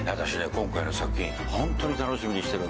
今回の作品ホントに楽しみにしてるんですよ。